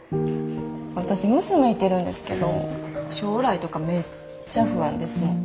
私娘いてるんですけど将来とかめっちゃ不安ですもん。